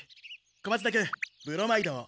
小松田君ブロマイドを。